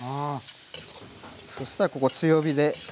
そしたらここ強火で。